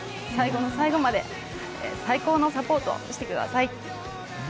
最後の最後まで最高のサポートをしてください。